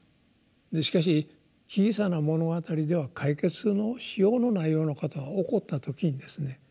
しかし「小さな物語」では解決のしようのないようなことが起こった時にですね